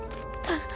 あっ！